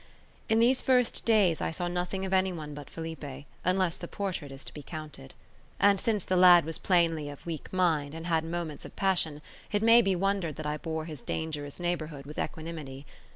In these first days I saw nothing of any one but Felipe, unless the portrait is to be counted; and since the lad was plainly of weak mind, and had moments of passion, it may be wondered that I bore his dangerous neighbourhood with equanimity.